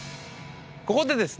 ここでですね